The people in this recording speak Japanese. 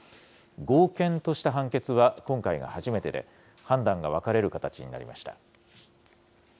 合憲とした判決は今回が初めてで、判断が分かれる形になりました。